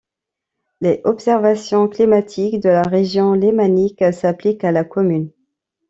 Les observations climatiques de la Région lémanique s'appliquent à la commune.